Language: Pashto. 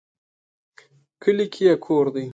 کلي کې یې کور دی